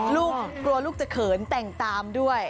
กลัวลูกจะเขินแต่งตามด้วย